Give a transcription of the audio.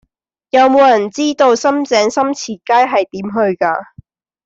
有無人知道深井深慈街係點去㗎